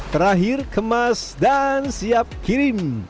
terakhir kemas dan siap kirim